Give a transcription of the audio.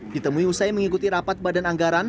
ditemui usai mengikuti rapat badan anggaran